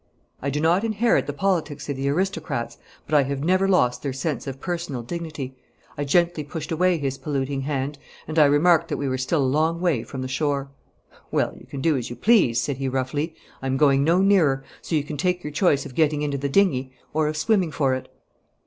I do not inherit the politics of the aristocrats, but I have never lost their sense of personal dignity. I gently pushed away his polluting hand, and I remarked that we were still a long way from the shore. 'Well, you can do as you please,' said he roughly; 'I'm going no nearer, so you can take your choice of getting into the dingey or of swimming for it.'